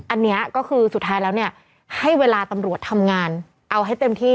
อันนี้ก็คือสุดท้ายแล้วเนี่ยให้เวลาตำรวจทำงานเอาให้เต็มที่